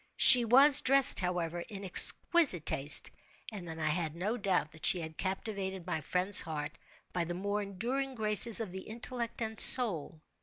She was dressed, however, in exquisite taste—and then I had no doubt that she had captivated my friend's heart by the more enduring graces of the intellect and soul.